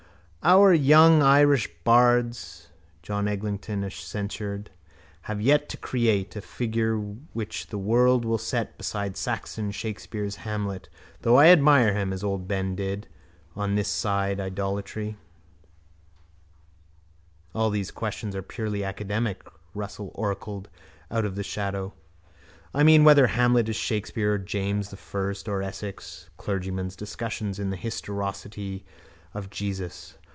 —Our young Irish bards, John Eglinton censured, have yet to create a figure which the world will set beside Saxon Shakespeare's Hamlet though I admire him, as old Ben did, on this side idolatry. —All these questions are purely academic, Russell oracled out of his shadow. I mean, whether Hamlet is Shakespeare or James I or Essex. Clergymen's discussions of the historicity of Jesus.